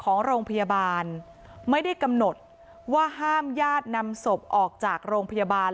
ของโรงพยาบาลไม่ได้กำหนดว่าห้ามญาตินำศพออกจากโรงพยาบาล